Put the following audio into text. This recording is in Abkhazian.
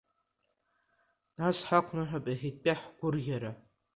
Нас ҳақәныҳәап иахьатәи ҳгәырӷьара!